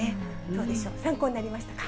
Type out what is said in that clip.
どうでしょう、参考になりましたか。